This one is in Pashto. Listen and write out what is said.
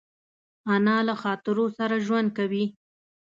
انا له خاطرو سره ژوند کوي